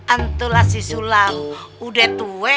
antulah sisulam udah tua itu yaa